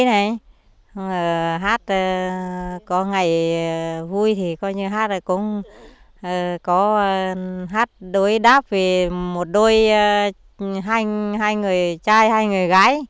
hát có ngày vui thì coi như hát là cũng có hát đối đáp với một đôi hai người trai hai người gái